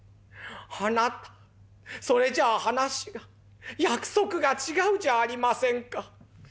あなたそれじゃあ話が約束が違うじゃありませんか」。